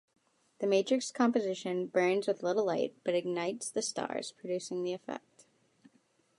The matrix composition burns with little light but ignites the stars, producing the effect.